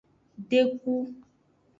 Deku.